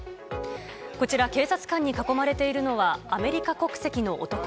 こちら、警察官に囲まれているのは、アメリカ国籍の男。